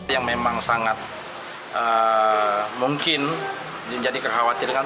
yang memang sangat mungkin menjadi kekhawatiran